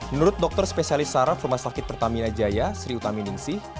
menurut dokter spesialis saraf rumah sakit pertamina jaya sri utaminingsih